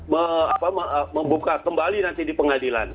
membuka kembali nanti di pengadilan